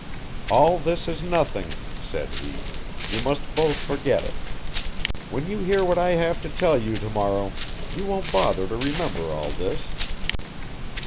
"All this is nothing," said he, "you must both forget it. When you hear what I have to tell you to morrow you won't bother to remember all this.